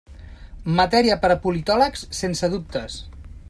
Matèria per a politòlegs, sense dubtes.